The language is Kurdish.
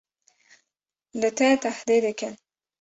li te tehdê dikin